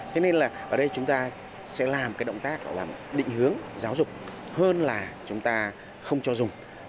thế nên là ở đây chúng ta sẽ làm cái động tác làm định hướng giáo dục hơn là chúng ta không cho dùng